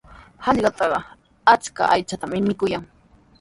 Hallqatrawqa achka aychatami mikuyan.